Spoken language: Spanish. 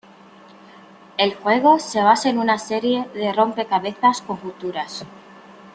El juego se basa en una serie de rompecabezas' conjeturas'.